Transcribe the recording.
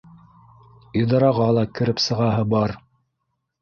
Идараға ла кереп сығаһы бар